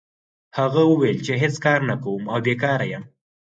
هغه وویل چې هېڅ کار نه کوم او بیکاره یم.